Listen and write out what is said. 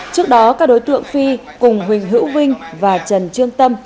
trước đó các đối tượng phi cùng huỳnh hữu vinh và trần trương tâm